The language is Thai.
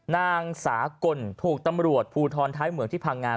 นางสากลถูกตำรวจภูทรท้ายเหมืองที่พังงา